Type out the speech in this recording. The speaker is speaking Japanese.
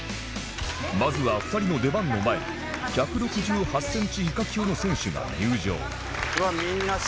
まずは２人の出番の前に １６８ｃｍ 以下級の選手が入場